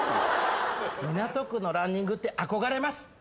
港区のランニングって憧れます。